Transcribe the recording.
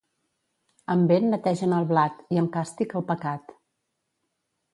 Amb vent netegen el blat, i amb càstig el pecat.